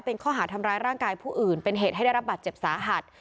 เป็นข้อหาทำร้ายร่างกายผู้อื่นเป็นเหตุให้ได้รับบาดเจ็บสาหัส